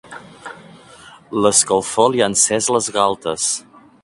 L'escalfor li ha encès les galtes.